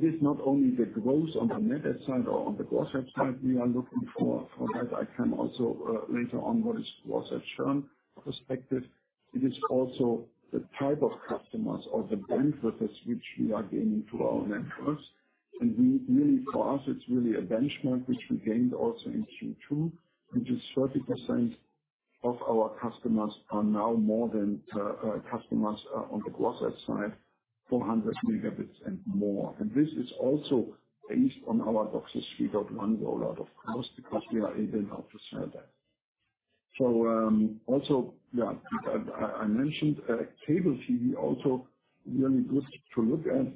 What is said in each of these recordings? This not only the growth on the net add side or on the gross adds side we are looking for. For that, I can also later on what is gross up churn perspective. It is also the type of customers or the bandwidths which we are gaining to our networks. We really, for us, it's really a benchmark which we gained also in Q2, which is 30% of our customers are now more than customers on the gross adds side, 400 Mb and more. This is also based on our DOCSIS 3.1 rollout, of course, because we are in the office center. Also, yeah, I, I, I mentioned cable TV also really good to look at.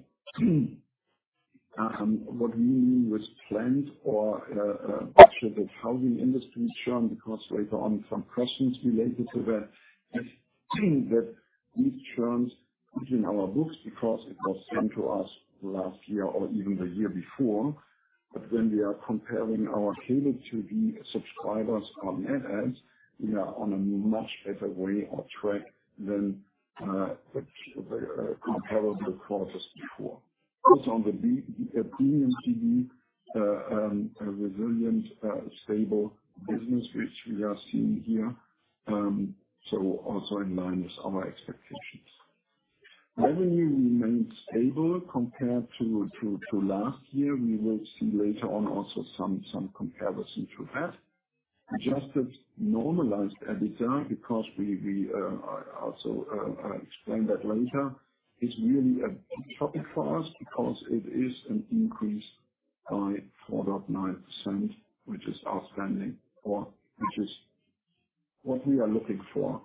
What we mean with planned or actually, the housing industry churn, because later on some questions related to that. That these churns within our books, because it was sent to us last year or even the year before. When we are comparing our cable TV subscribers on net adds, we are on a much better way or track than the comparable quarters before. Also, on the premium TV, a resilient, stable business, which we are seeing here. Also in line with our expectations. Revenue remains stable compared to last year. We will see later on also some comparison to that. Adjusted, normalized, EBITDA, because we, we, I'll explain that later, is really a big topic for us because it is an increase by 4.9%, which is outstanding, or which is what we are looking for,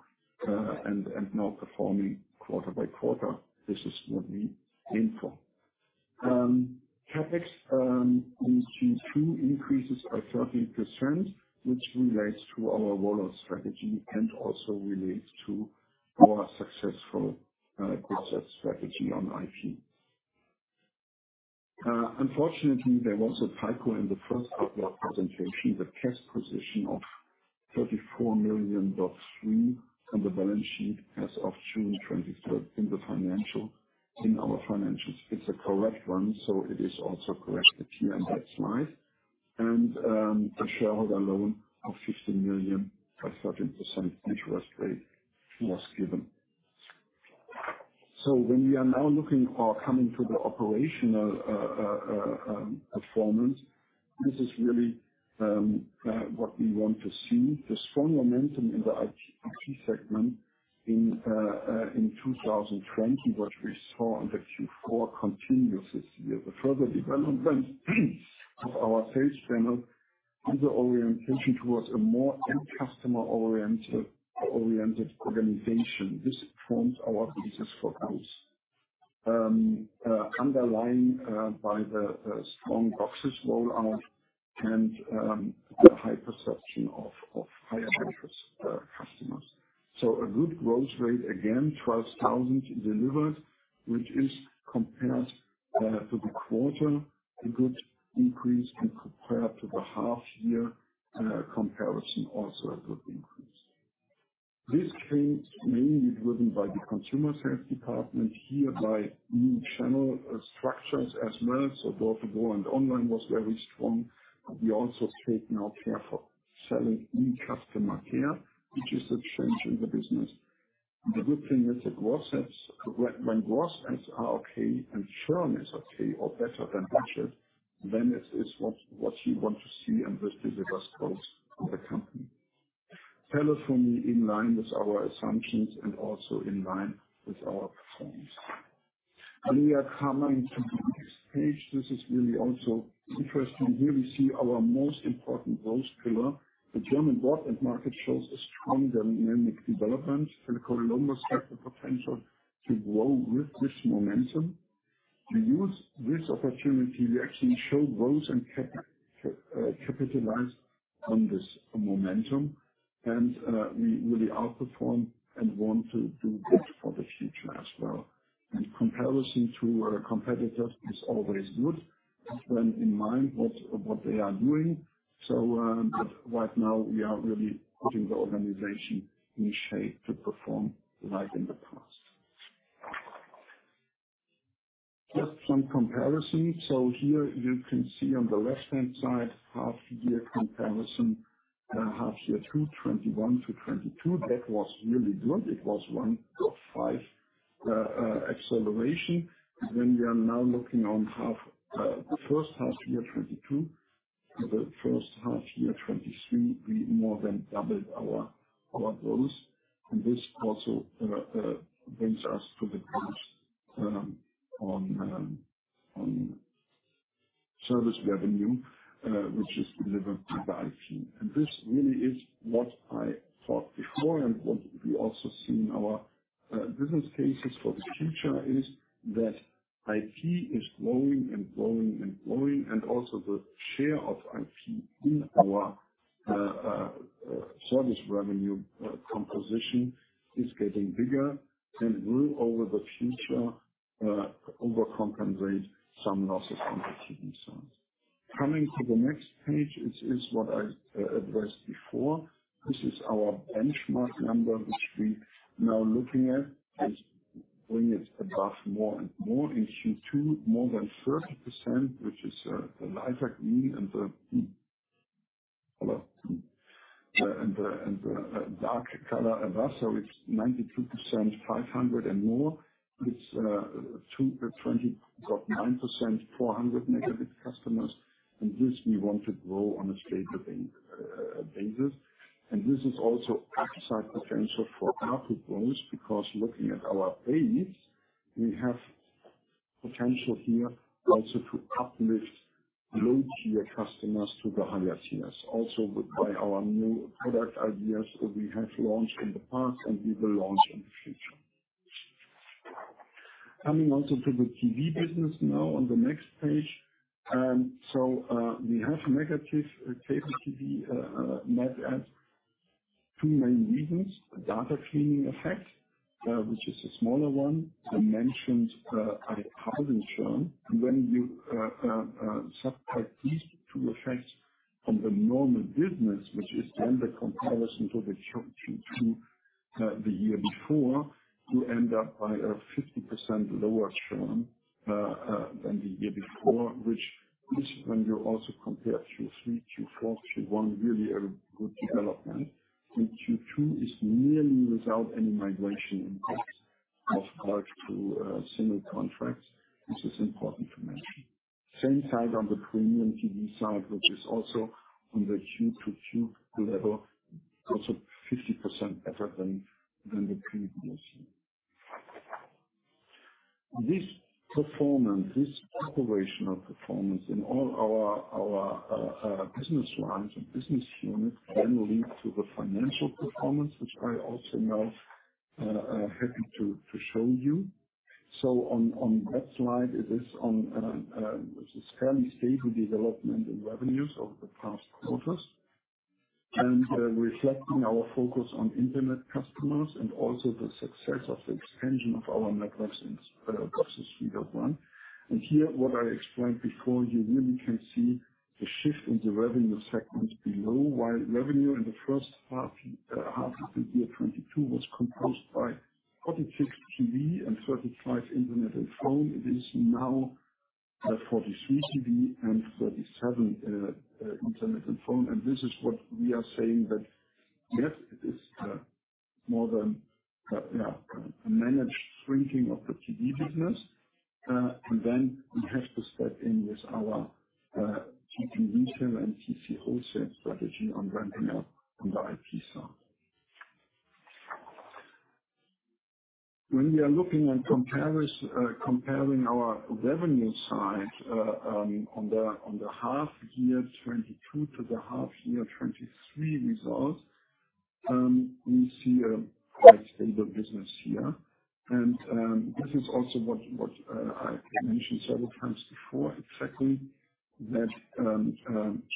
now performing quarter by quarter. This is what we aim for. CapEx in Q2 increases by 13%, which relates to our rollout strategy and also relates to our successful [DOCSIS] strategy on IP. Unfortunately, there was a typo in the first of your presentation. The cash position of 34.3 million on the balance sheet as of June 23rd in the financial, in our financials. It's a correct one, so it is also correct here on that slide. The shareholder loan of 15 million at 13% interest rate was given. When we are now looking or coming to the operational performance, this is really what we want to see. The strong momentum in the IP, IP segment in 2020, what we saw in the Q4 continues this year. The further development of our sales channel and the orientation towards a more end customer-oriented, oriented organization. This forms our business focus. Underlined by the strong DOCSIS rollout and the high perception of high-speed customers. A good growth rate, again, 12,000 delivered, which is compared to the quarter, a good increase, and compared to the half year comparison, also a good increase. This change mainly driven by the consumer sales department, here by new channel structures as well. Both the goal and online was very strong. We also take now care for selling new customer care, which is a change in the business. The good thing with the gross adds, when, when gross adds are okay and churn is okay or better than budget, then it's, it's what, what you want to see, and this delivers growth to the company. Telephone in line with our assumptions and also in line with our performance. When we are coming to the next page, this is really also interesting. Here we see our most important growth pillar. The German broadband market shows a strong dynamic development, and Tele Columbus has the potential to grow with this momentum. We use this opportunity to actually show growth and capitalize on this momentum, and we really outperform and want to do good for the future as well. Comparison to our competitors is always good to keep in mind what, what they are doing. Right now, we are really putting the organization in shape to perform like in the past. Just some comparison. Here you can see on the left-hand side, half year comparison, half year 2, 2021 to 2022. That was really good. It was 1.5 acceleration. When we are now looking on half, the first half year, 2022 to the first half year, 2023, we more than doubled our, our growth. This also brings us to the growth on service revenue, which is delivered by IP. This really is what I thought before and what we also see in our business cases for the future, is that IP is growing and growing and growing, and also the share of IP in our service revenue composition is getting bigger and will, over the future, overcompensate some losses on the TV side. Coming to the next page, is, is what I addressed before. This is our benchmark number, which we now looking at, is bring it above more and more in Q2, more than 30%, which is the lighter green and the and the dark color above. It's 92%, 500 and more. It's 2.29%, 400 megabit customers, and this we want to grow on a steady bank basis. This is also upside potential for output growth, because looking at our base, we have potential here also to uplift low-tier customers to the higher tiers, also with by our new product ideas that we have launched in the past and we will launch in the future. Coming on to the TV business now on the next page. We have negative cable TV net adds. Two main reasons: data cleaning effect, which is a smaller one. I mentioned, I haven't shown. When you subtract these two effects from the normal business, which is then the comparison to the Q2 the year before, you end up by a 50% lower trend than the year before, which is when you also compare Q3, Q4, Q1, really a good development. Q2 is nearly without any migration impact of large to similar contracts. This is important to mention. Same side on the premium TV side, which is also on the Q to Q level, also 50% better than the previous year. This performance, this operational performance in all our business lines and business units, then lead to the financial performance, which I also now happy to show you. On, on that slide, it is on which is fairly stable development in revenues over the past quarters, reflecting our focus on internet customers and also the success of the extension of our networks in [DOCSIS] 3.1. Here, what I explained before, you really can see the shift in the revenue segments below. While revenue in the first half, half of the year 2022 was composed by 46% TV and 35% internet and phone, it is now 43% TV and 37% internet and phone. And this is what we are saying, that, yes, it is more than a managed shrinking of the TV business. And then we have to step in with our TC Retail and TC Wholesale strategy on ramping up on the IT side. When we are looking at comparing our revenue side on the half year 2022 to the half year 2023 results, we see a quite stable business here. This is also what, what I mentioned several times before, exactly, that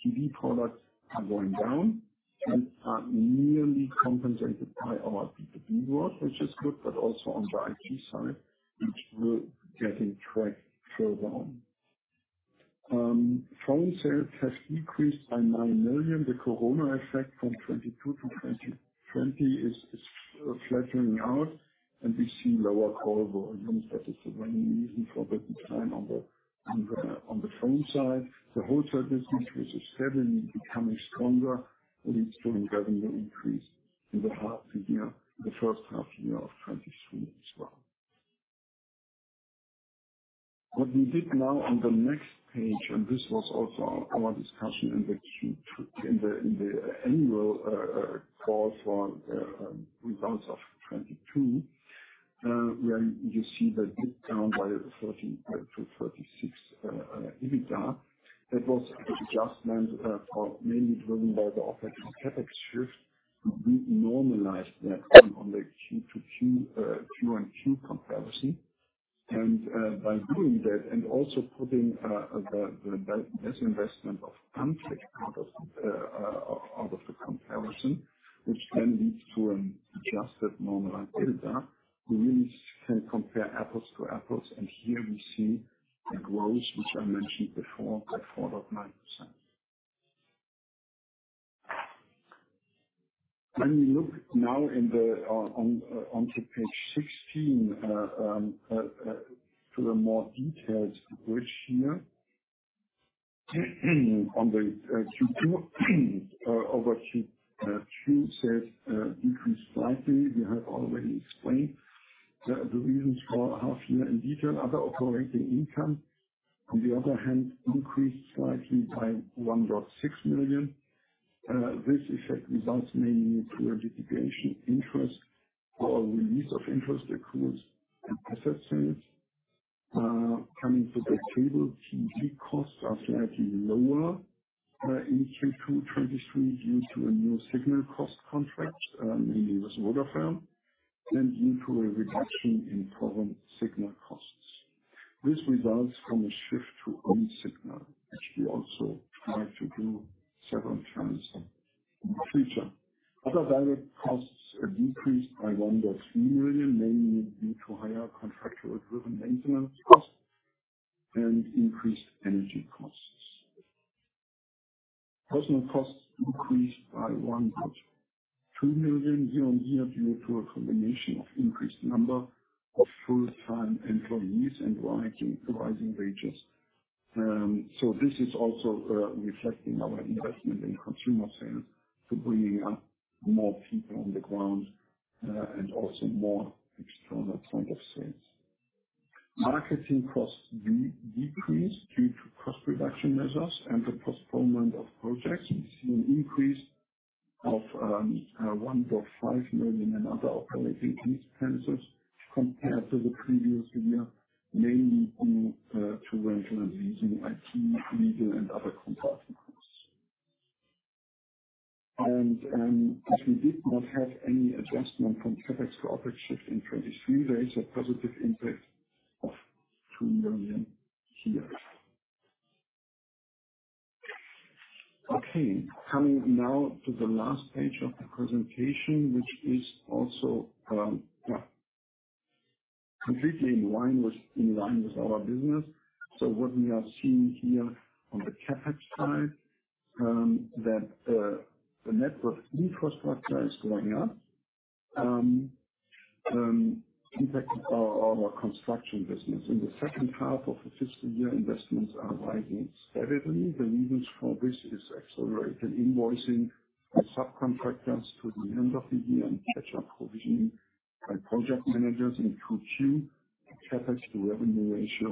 TV products are going down and are nearly compensated by our B2B work, which is good, but also on the IT side, which we're getting quite further on. Phone sales has increased by 9 million. The Corona effect from 2022 to 2020 is, is flattening out, and we see lower call volumes. That is the one reason for the decline on the, on the, on the phone side. The wholesale business, which is steadily becoming stronger, leads to a revenue increase in the half year, the first half year of 2022 as well. What we did now on the next page, this was also our discussion in the Q2, in the annual call for results of 2022, where you see the dip down by 13 point to 36 EBITDA. That was an adjustment for mainly driven by the operating CapEx shift. We normalized that on the Q-to-Q, Q-on-Q comparison. By doing that and also putting the disinvestment of [Unipix] out of the out of the comparison, which then leads to an adjusted normalized EBITDA, we really can compare apples to apples. Here we see a growth, which I mentioned before, by 4.9%. When we look now in the on, onto page 16, to the more detailed bridge here, on the Q2 over Q2 says, decreased slightly. We have already explained the reasons for half year in detail. Other operating income, on the other hand, increased slightly by 1.6 million. This effect results mainly through a depreciation interest or a release of interest accrues and asset sales. Coming to the table, TV costs are slightly lower in Q2 2023, due to a new signal cost contract, mainly with Vodafone, and due to a reduction in foreign signal costs. This results from a shift to own signal, which we also tried to do several times.... in the future. Other direct costs are decreased by 1.3 million, mainly due to higher contractual driven maintenance costs and increased energy costs. Personnel costs increased by 1.2 million year-on-year, due to a combination of increased number of full-time employees and rising, rising wages. This is also reflecting our investment in consumer sales to bringing up more people on the ground, and also more external point of sales. Marketing costs de- decreased due to cost reduction measures and the postponement of projects. We've seen an increase of 1.5 million in other operating expenses compared to the previous year, mainly due to rental and leasing, IT, legal, and other contract costs. As we did not have any adjustment from CapEx to OpEx in 2023, there is a positive impact of 2 million here. Okay, coming now to the last page of the presentation, which is also, yeah, completely in line with, in line with our business. What we are seeing here on the CapEx side, that the network infrastructure is going up, impacting our, our construction business. In the second half of the fiscal year, investments are rising steadily. The reasons for this is accelerated invoicing of subcontractors to the end of the year, and catch-up provisioning by project managers in Q2. CapEx to revenue ratio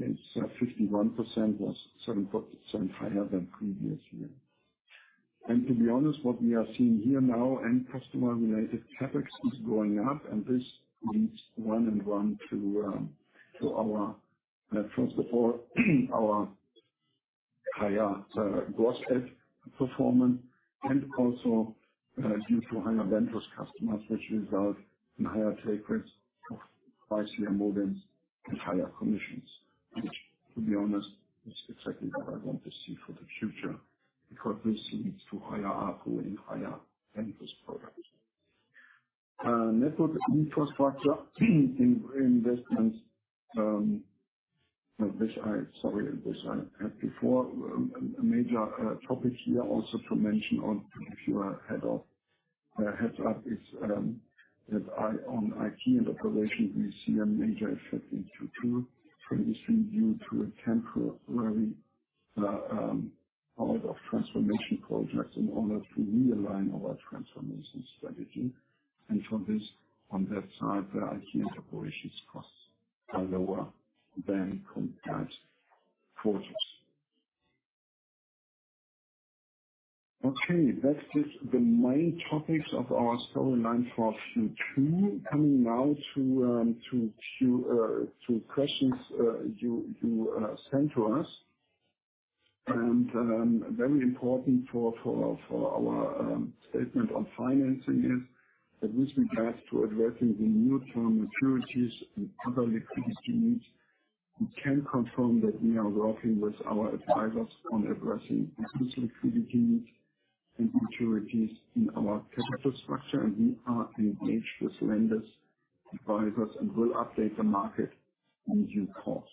is at 51%, was 7.7 higher than previous year. To be honest, what we are seeing here now, end customer-related CapEx is going up, and this leads 1 and 1 to, first of all, our higher gross add performance, and also, due to higher [bandwidth] customers, which result in higher take rates of pricier models and higher commissions. Which, to be honest, is exactly what I want to see for the future, because this leads to higher ARPU and higher [bandwidth] products. Network infrastructure investments, which I... Sorry, this I had before. A major topic here also to mention on, if you are ahead of, heads up, is that I, on IT and operation, we see a major effect into two, previously due to a temporary out of transformation projects in order to realign our transformation strategy. For this, on that side, the IT and operations costs are lower than compared quarters. Okay, that's just the main topics of our story line for Q2. Coming now to questions you sent to us. Very important for our statement on financing is that with regards to addressing the near-term maturities and other liquidity needs, we can confirm that we are working with our advisors on addressing existing liquidity needs and maturities in our capital structure, and we are engaged with lenders, advisors, and will update the market in due course.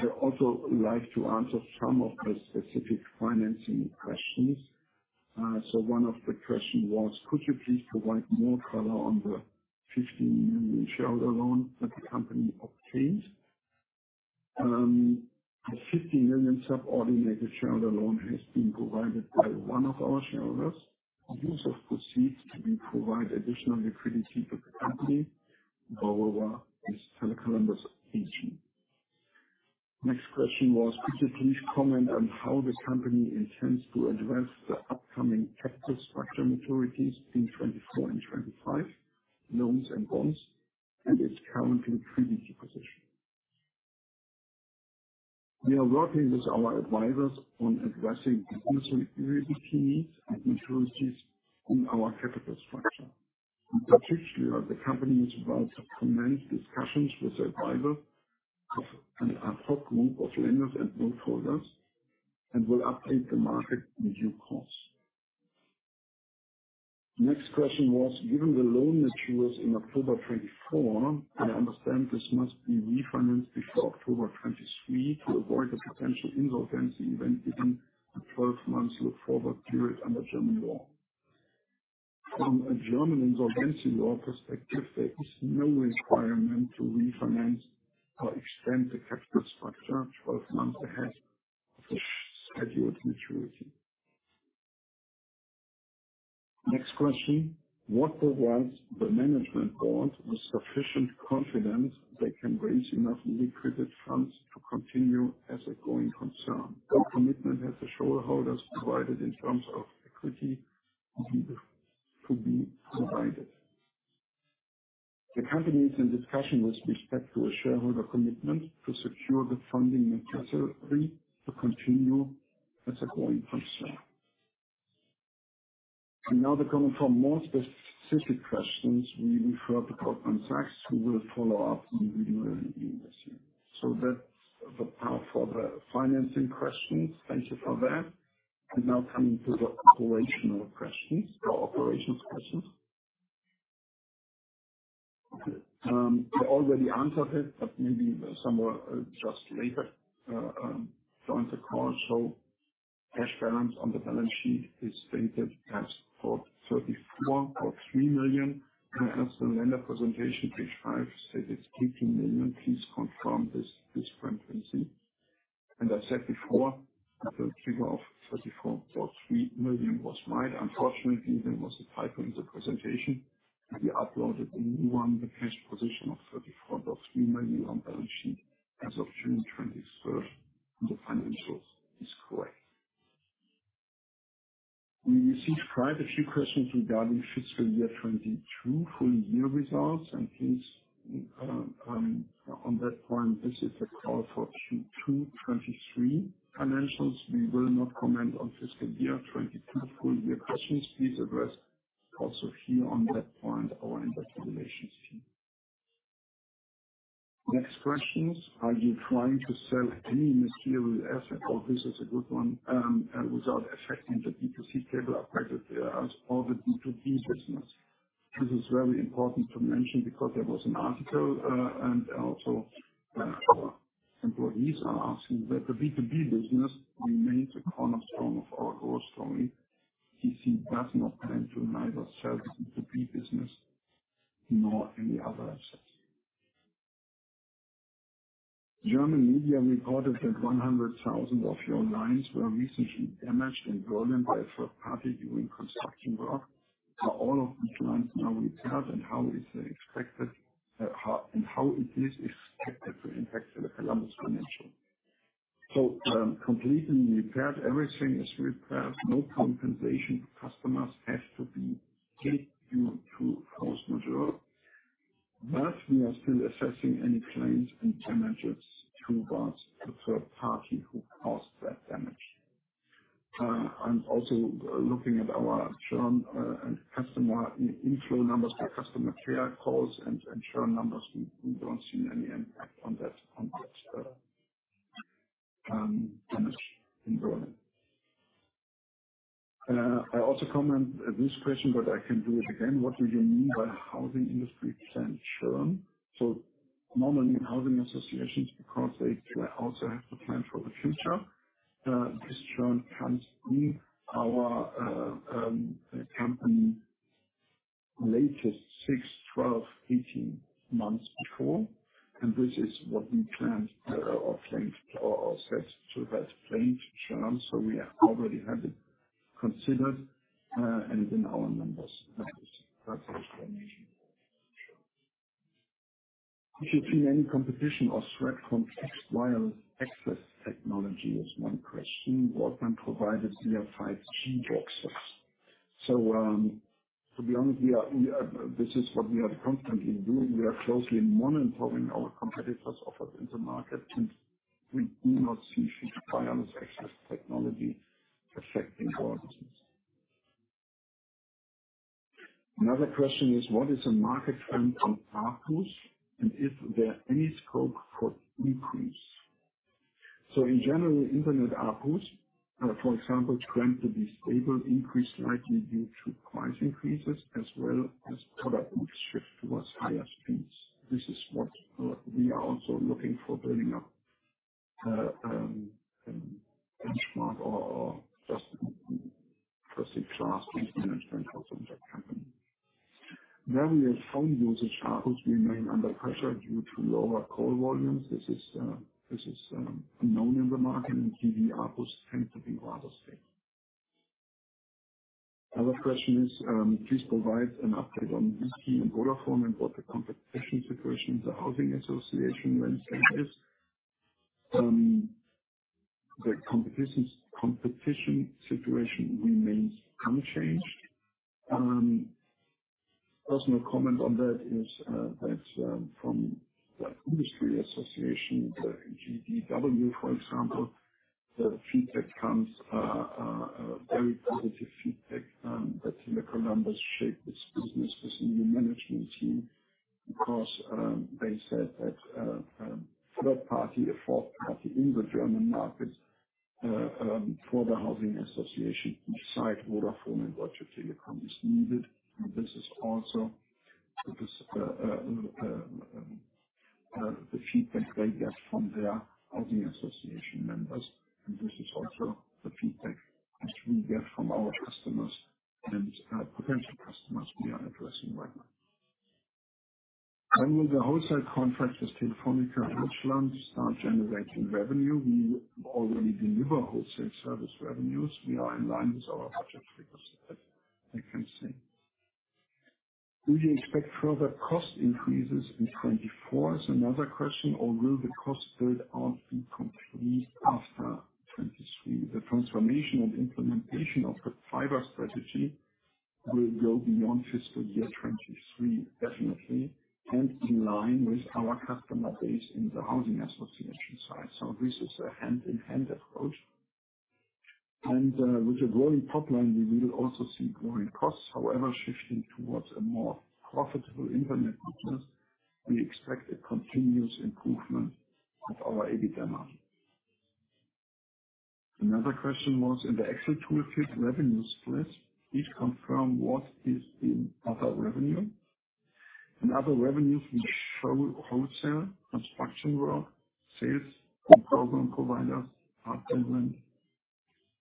I also like to answer some of the specific financing questions. One of the question was: Could you please provide more color on the 50 million shareholder loan that the company obtained? The 50 million subordinated shareholder loan has been provided by one of our shareholders. The use of proceeds to provide additional liquidity to the company, however, is Tele Columbus AG. Next question was: Could you please comment on how the company intends to address the upcoming capital structure maturities in 2024 and 2025, loans and bonds, and its current liquidity position? We are working with our advisors on addressing the existing liquidity needs and maturities in our capital structure. In particular, the company is about to commence discussions with their advisor of, and ad hoc group of lenders and bondholders, and will update the market with due course. Next question was: Given the loan matures in October 2024, I understand this must be refinanced before October 2023 to avoid a potential insolvency event within the 12-month look-forward period under German law. From a German insolvency law perspective, there is no requirement to refinance or extend the capital structure 12 months ahead of the scheduled maturity. Next question: What provides the management board with sufficient confidence they can raise enough liquidity funds to continue as a going concern? What commitment has the shareholders provided in terms of equity to be, to be provided? The company is in discussion with respect to a shareholder commitment to secure the funding necessary to continue as a going concern. Now they're coming from more specific questions. We refer to Goldman Sachs, who will follow up, and we will be with you. That's the part for the financing questions. Thank you for that. Now coming to the operational questions or operations questions. You already answered it, but maybe some were just later joined the call. Cash balance on the balance sheet is stated as for 34.3 million, and as the lender presentation, page five, said it's 15 million. Please confirm this, this frequency. I said before, the figure of 34.3 million was right. Unfortunately, there was a typo in the presentation, and we uploaded the new one, the cash position of 34.3 million on balance sheet as of June 23rd, and the financials is correct. We received quite a few questions regarding fiscal year 2022 full year results, and please, on that point, this is a call for Q2 2023 financials. We will not comment on fiscal year 2022 full year questions. Please address also here on that point, our investor relations team. Next questions. Are you trying to sell any material asset, oh, this is a good one, without affecting the B2C cable operator or the B2B business? This is very important to mention because there was an article, and also, employees are asking that the B2B business remains a cornerstone of our growth story. TC does not plan to neither sell the B2B business nor any other assets. German media reported that 100,000 of your lines were recently damaged in Berlin by a third party during construction work. Are all of these lines now repaired, and how is it expected to impact the Columbus financial? Completely repaired, everything is repaired. No compensation to customers has to be paid due to force majeure. We are still assessing any claims and damages towards the third party who caused that damage. I'm also looking at our churn and customer inflow numbers for customer care calls and churn numbers. We don't see any impact on that damage in Berlin. I also comment on this question. I can do it again. What do you mean by housing industry plan churn? Normally in housing associations, because they also have to plan for the future, this churn comes in our company latest 6, 12, 18 months before. This is what we planned or planned or set to that planned churn. We already have it considered and in our numbers. That's the explanation. Do you see any competition or threat from [Fixed Wireless Access] technology? Is one question. What then provided via 5G boxes. To be honest, we are... This is what we are constantly doing. We are closely monitoring our competitors' offers in the market, and we do not see [Fixed Wireless Access] technology affecting our business. Another question is: What is the market trend on ARPU, and is there any scope for increase? In general, internet ARPUs, for example, trend to be stable, increase slightly due to price increases, as well as product mix shift towards higher speeds. This is what we are also looking for building up benchmark or just specific class management also in that company. Where we have phone usage, ARPUs remain under pressure due to lower call volumes. This is, this is known in the market, and TV ARPUs tend to be rather stable. Other question is: Please provide an update on East and Vodafone and what the competition situation in the housing association landscape is. The competition, competition situation remains unchanged. Personal comment on that is that from the industry association, the [GDW], for example, the feedback comes, a very positive feedback, that the numbers shape this business within the management team, because they said that third party, a fourth party in the German market, for the housing association, each side, Vodafone and Vodafone, Telekom is needed. This is also the feedback they get from their housing association members, and this is also the feedback which we get from our customers and potential customers we are addressing right now. When will the wholesale contract with Telefónica Deutschland start generating revenue? We already deliver wholesale service revenues. We are in line with our budget figures, I can say. Do you expect further cost increases in 2024? Is another question, or will the cost build out be complete after 2023? The transformation and implementation of the fiber strategy will go beyond fiscal year 2023, definitely, and in line with our customer base in the housing association side. This is a hand-in-hand approach.... With a growing top line, we will also see growing costs. However, shifting towards a more profitable internet business, we expect a continuous improvement of our EBITDA margin. Another question was: In the Excel toolkit revenue split, please confirm what is in other revenue? Other revenues we show wholesale, construction work, sales to program provider,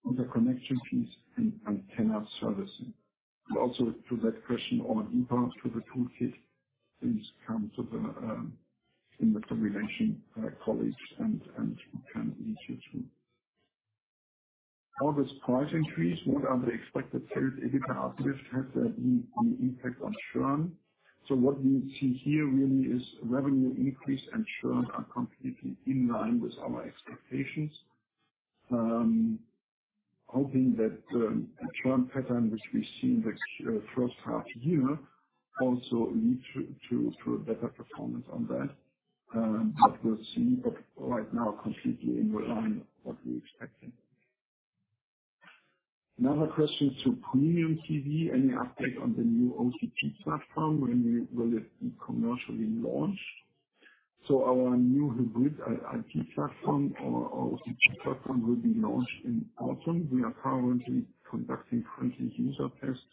[hardware], other connection fees, and antenna servicing. Also to that question on impact to the toolkit, please come to the in the combination, colleagues, and we can lead you through. All this price increase, what are the expected sales EBITDA uplift have on the impact on churn? What we see here really is revenue increase and churn are completely in line with our expectations. Hoping that the churn pattern, which we see the first half year, also lead to a better performance on that. We'll see. Right now, completely in line with what we expected. Another question to premium TV: Any update on the new [OCP] platform? When will it be commercially launched? Our new hybrid I- IT platform or [OCP] platform will be launched in autumn. We are currently conducting friendly user tests,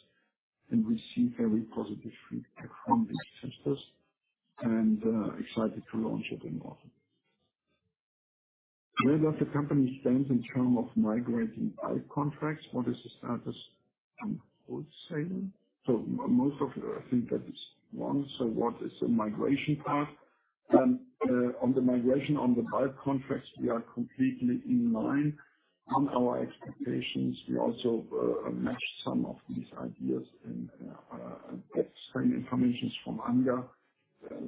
and we see very positive feedback from these testers, and excited to launch it in autumn. Where does the company stand in terms of migrating [fiber] contracts? What is the status on wholesale? m-most of, I think that is one. What is the migration part? On the migration, on the [fiber] contracts, we are completely in line on our expectations. We also match some of these ideas and get same informations from ANGA,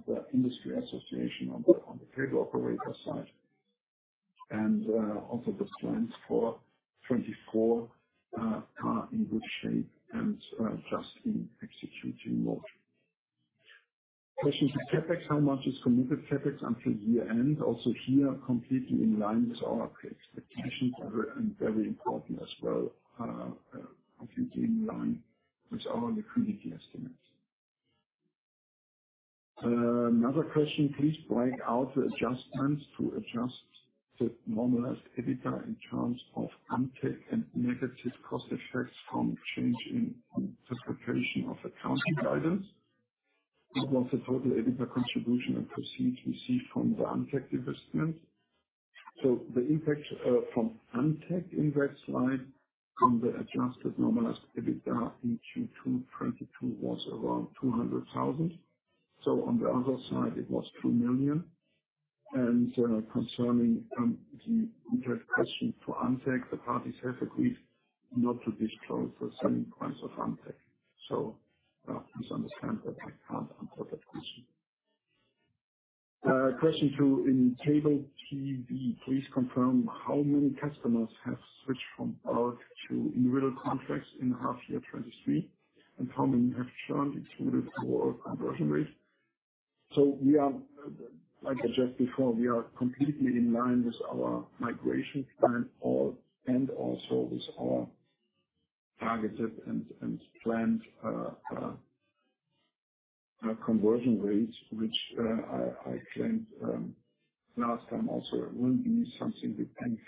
the industry association on the, on the cable operator side. Also the plans for 2024 are in good shape and just in executing mode. Question to CapEx: How much is committed CapEx until year end? Also, here, completely in line with our expectations, and very important as well, completely in line with our liquidity estimates. Another question: Please point out the adjustments to adjust the normalized EBITDA in terms of [Untech] and negative cost effects from change in interpretation of accounting guidance. What was the total EBITDA contribution and proceeds we see from the [Untech] investment? The impact from [Untech] in that slide on the adjusted normalized EBITDA in Q2 2022 was around 200,000. On the other side, it was 2 million. Concerning the direct question to [Untech], the parties have agreed not to disclose the selling price of [Untech]. Please understand that I can't answer that question. Question 2: In cable TV, please confirm how many customers have switched from bulk to individual contracts in half year 2023, and how many have churned, including your conversion rate? We are, like I said before, we are completely in line with our migration plan, and also with our targeted and planned conversion rates, which I claimed last time also will be something between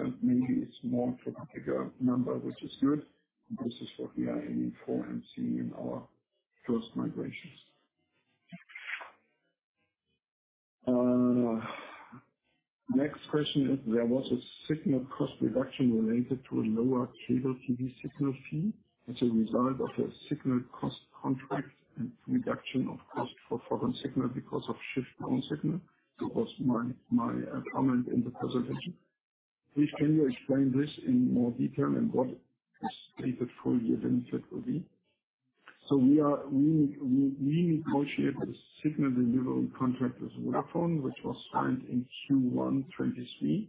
50%-60%. Maybe it's more for particular number, which is good. This is what we are aiming for and seeing in our first migrations. Next question is: There was a signal cost reduction related to a lower cable TV signal fee as a result of a signal cost contract and reduction of cost for foreign signal because of shift own signal. That was my, my comment in the presentation. Please, can you explain this in more detail and what the expected full year benefit will be? We negotiated a signal delivery contract with Vodafone, which was signed in Q1 2023,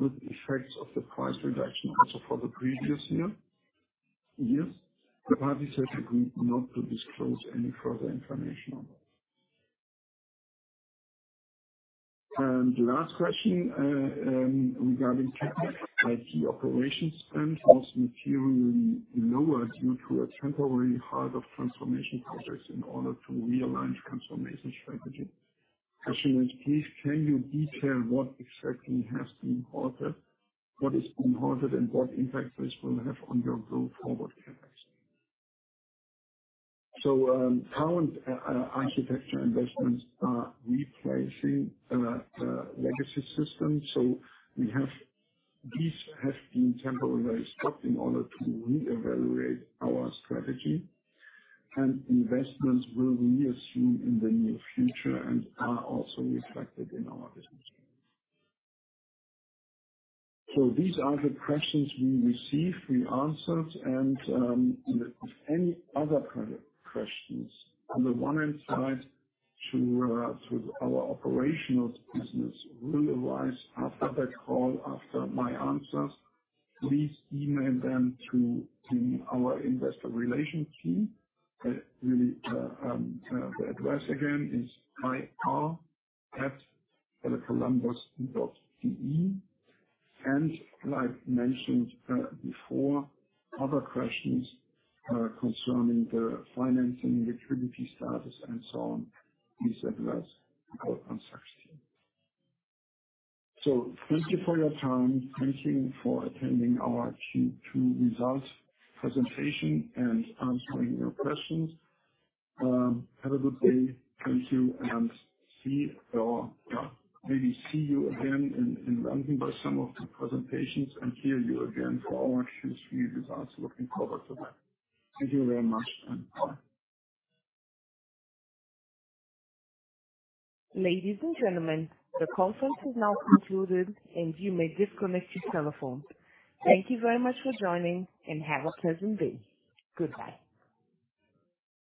with effects of the price reduction also for the previous year, years. The parties have agreed not to disclose any further information on that. The last question, regarding CapEx, IT operations spend was materially lower due to a temporary halt of transformation projects in order to realign transformation strategy. Question is: Please, can you detail what exactly has been halted, what is being halted, and what impact this will have on your go-forward CapEx? Current architecture investments are replacing legacy systems. We have... These have been temporarily stopped in order to reevaluate our strategy, and investments will resume in the near future and are also reflected in our business. These are the questions we received, we answered, and if any other questions on the one hand side to our operational business will arise after that call, after my answers, please email them to the, our investor relations team. Really, the address again is ir@telecolumbus.de. Like mentioned before, other questions concerning the financing, liquidity status, and so on, please address our construction. Thank you for your time. Thank you for attending our Q2 results presentation and answering your questions. Have a good day. Thank you, and see or, yeah, maybe see you again in London for some of the presentations, and hear you again for our Q3 results. Looking forward to that. Thank you very much, and bye. Ladies and gentlemen, the conference is now concluded, and you may disconnect your telephones. Thank you very much for joining, and have a pleasant day. Goodbye.